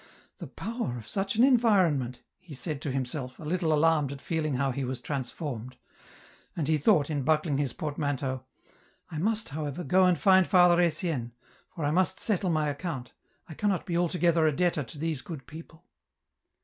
" The power of such an environment I " he said to himself, a little alarmed at feeling how he was transformed. And he thought in buckling his portmanteau, "I must however, go and find Father Etienne, for I must settle my account ; I cannot be altogether a debtor to these good people."